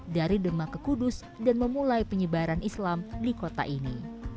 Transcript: dari demak ke kudus dan memulai penyebaran islam di kota ini